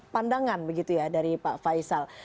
pandangan begitu ya dari pak faisal